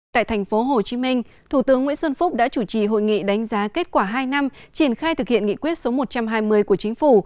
tại thành phố hồ chí minh thủ tướng nguyễn xuân phúc đã chủ trì hội nghị đánh giá kết quả hai năm triển khai thực hiện nghị quyết số một trăm hai mươi của chính phủ